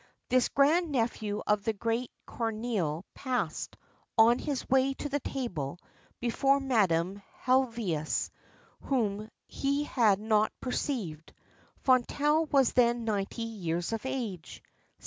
This grand nephew of the great Corneille passed, on his way to the table, before Madame Helvétius, whom he had not perceived. Fontenelle was then ninety years of age.